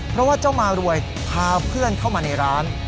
เพราะว่าเจ้ามารวยพาเพื่อนเข้ามาในร้าน